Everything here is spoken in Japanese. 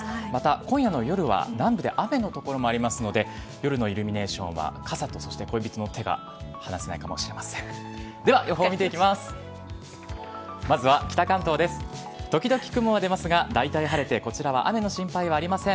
今夜の夜は南部で雨の所もありますので夜のイルミネーションは傘と恋人の手が離せないかもしれません。